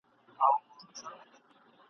بس همدا مو وروستی جنګ سو په بري به هوسیږو !.